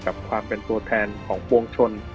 กับความเป็นตัวแทนของปวงชน